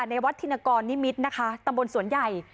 ในวัดธินกรนิมิตรนะคะตำบลสวนใหญ่